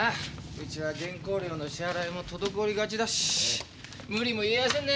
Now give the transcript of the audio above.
うちは原稿料の支払いも滞りがちだし無理も言えませんね。